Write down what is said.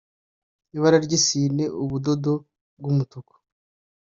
Ibara ry isine ubudodo bw umutuku